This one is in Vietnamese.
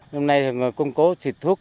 hôm nay là người cung cố trịt thuốc